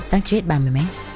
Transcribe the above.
sát chết ba mươi mét